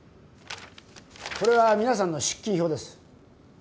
これは皆さんの出勤表です